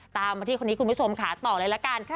ตามมาที่คนนี้คุณผู้ชมค่ะต่อเลยละกัน